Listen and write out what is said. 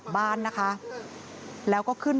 ปี๖๕วันเช่นเดียวกัน